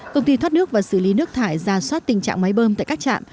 công ty thoát nước và xử lý nước thải ra soát tình trạng máy bơm tại các trạm